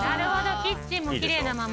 キッチンもきれいなまま。